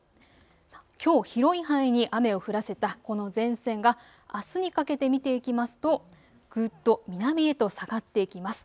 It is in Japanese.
きょう広い範囲に雨を降らせたこの前線があすにかけて見ていきますと、ぐっと南へと下がっていきます。